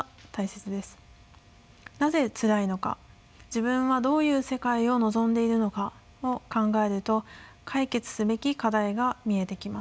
なぜつらいのか自分はどういう世界を望んでいるのかを考えると解決すべき課題が見えてきます。